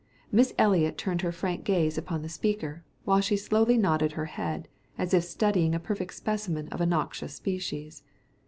Miss Eliot turned her frank gaze upon the speaker, while she slowly nodded her head as if studying a perfect specimen of a noxious species.